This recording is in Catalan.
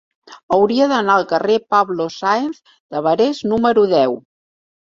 Hauria d'anar al carrer de Pablo Sáenz de Barés número deu.